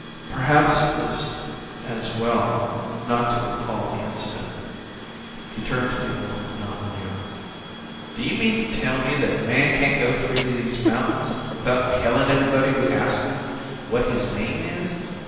Perhaps it was as well not to recall the incident. He turned to the old mountaineer. "Do you mean to tell me that a man can't go through these mountains without telling everybody who asks him what his name is?"